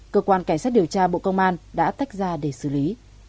cơ quan cảnh sát điều tra bộ công an đã tách ra để xử lý